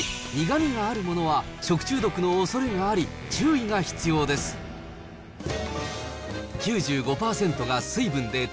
ただし、成熟し、苦みがあるものは食中毒のおそれがあり、注意が必要です。